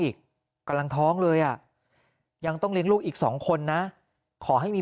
อีกกำลังท้องเลยอ่ะยังต้องเลี้ยงลูกอีกสองคนนะขอให้มี